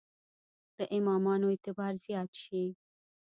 د امامانو اعتبار زیات شي.